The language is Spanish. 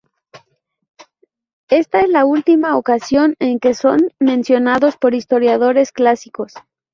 Esta es la última ocasión en que son mencionados por historiadores clásicos.